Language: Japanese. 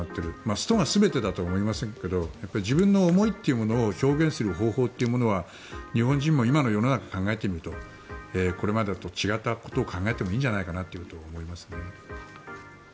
ストが全てだとは思いませんけど自分の思いというのを表現する方法というものは日本人も今の世の中を考えてみるとこれまでと違ったことを考えてもいいんじゃないかなと思いますね。